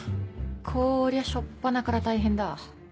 こりゃ初っぱなから大変だ。